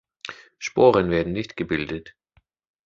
Sporen werden nicht gebildet.